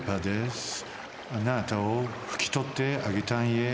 あなたをふきとってあげたんいえ。